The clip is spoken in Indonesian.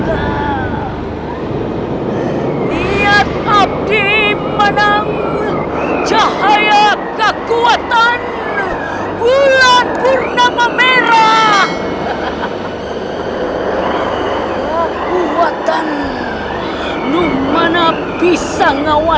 aku yakin aku pasti tidak bisa terkalahkan